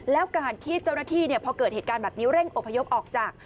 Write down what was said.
แล้วการที่เจ้าหน้าที่พอเกิดเหตุการณ์แบบนี้เร่งอพยพออกจาก